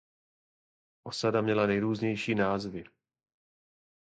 Osada měla nejrůznější názvy.